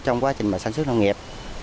trong quá trình sản xuất nông nghiệp